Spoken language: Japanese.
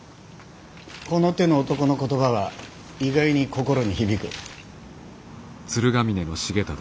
この手の男の言葉は意外に心に響く。